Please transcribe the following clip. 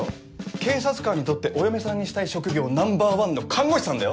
警察官にとってお嫁さんにしたい職業ナンバーワンの看護師さんだよ？